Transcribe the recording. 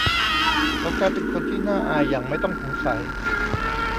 เขากลายเป็นคนที่น่าอายอย่างไม่ต้องสงสัย